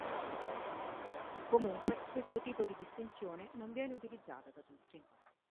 Comunque, questo tipo di distinzione non viene utilizzata da tutti.